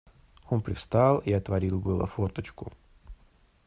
Он привстал и отворил было форточку.